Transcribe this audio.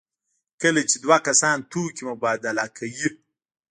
کله چې دوه کسان توکي مبادله کوي.